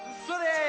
それ！